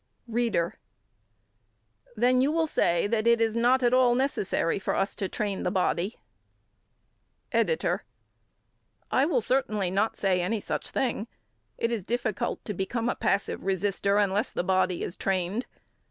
READER: Then you will say that it is not at all necessary for us to train the body? EDITOR: I will certainly not say any such thing. It is difficult to become a passive resister, unless the body is trained.